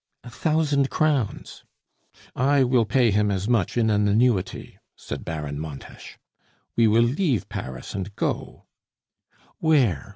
"A thousand crowns." "I will pay him as much in an annuity," said Baron Montes. "We will leave Paris and go " "Where?"